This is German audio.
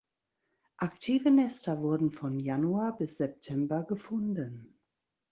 Aktive Nester wurden von Januar bis September gefunden.